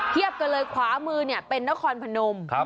เทียบกันเลยขวามือเนี่ยเป็นนละครพนม